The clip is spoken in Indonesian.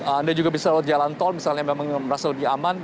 anda juga bisa lewat jalan tol misalnya memang merasa lebih aman